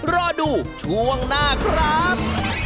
รอดูช่วงหน้าครับ